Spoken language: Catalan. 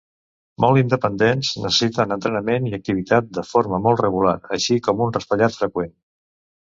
Molt independents, necessiten entrenament i activitat de forma molt regular, així com un raspallat freqüent.